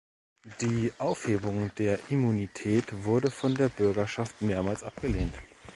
Die Aufhebung der Immunität wurde von der Bürgerschaft mehrmals abgelehnt.